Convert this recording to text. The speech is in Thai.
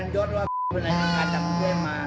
ชอบแล้ว